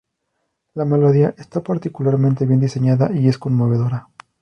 La melodía está particularmente bien diseñada y es conmovedora.